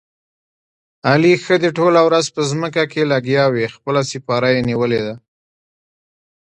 علي ښه دې ټوله ورځ په ځمکه کې لګیاوي، خپله سپاره یې نیولې ده.